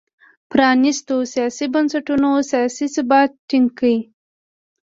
پرانیستو سیاسي بنسټونو سیاسي ثبات ټینګ کړ.